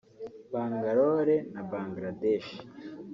Bangalore na Bangladesh